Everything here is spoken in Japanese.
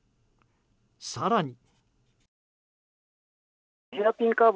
更に。